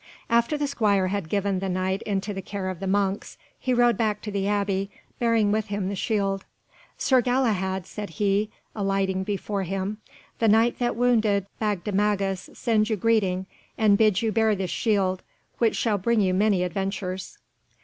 After the squire had given the Knight into the care of the monks, he rode back to the Abbey, bearing with him the shield. "Sir Galahad," said he, alighting before him, "the Knight that wounded Bagdemagus sends you greeting, and bids you bear this shield, which shall bring you many adventures."